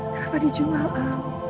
kenapa dijual el